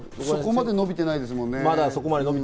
そこまで伸びてないですもんね。